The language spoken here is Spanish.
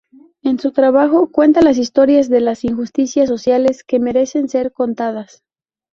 En su trabajo, cuenta las historias de las injusticias sociales que merecen ser contadas.